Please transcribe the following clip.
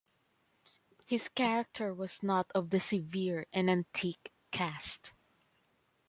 His character was not of the severe and antique cast.